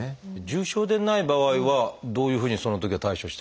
重症でない場合はどういうふうにそのときは対処したらいい？